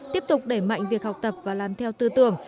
tiếp tục đẩy mạnh việc học tập và làm theo tư tưởng